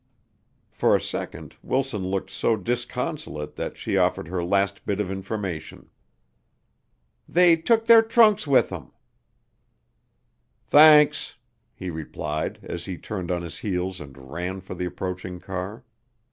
For a second Wilson looked so disconsolate that she offered her last bit of information. "They took their trunks with 'em." "Thanks," he replied as he turned on his heels and ran for the approaching car.